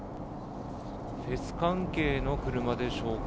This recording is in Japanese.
フェス関係の車でしょうか。